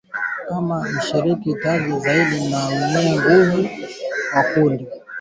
kama mshirika tajiri zaidi na mwenye nguvu wa kundi la kigaidi la al-Qaida